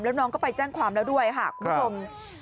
แล้วน้องก็ไปแจ้งความแล้วด้วยค่ะคุณผู้ชม